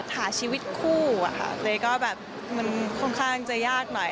หาชีวิตคู่อะค่ะเลยก็แบบมันค่อนข้างจะยากหน่อย